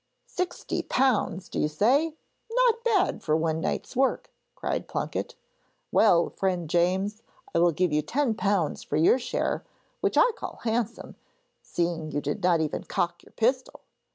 'Sixty pounds, do you say? Not bad for one night's work,' cried Plunket. 'Well, friend James, I will give you ten pounds for your share, which I call handsome, seeing you did not even cock your pistol!